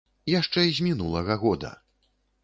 Яшчэ з мінулага года!